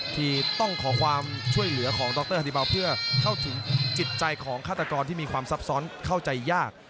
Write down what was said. ที่ต้องขอความช่วยเหลือของดรฮาธิเบาเพื่อเข้าถึงจิตใจของฆาตกรที่มีความซับซ้อนเข้าใจยาก